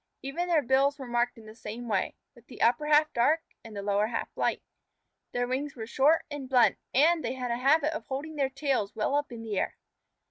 Even their bills were marked in the same way, with the upper half dark and the lower half light. Their wings were short and blunt, and they had a habit of holding their tails well up in the air.